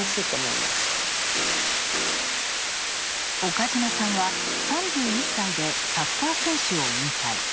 岡島さんは、３１歳でサッカー選手を引退。